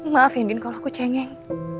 maaf ya din kalau aku cengeng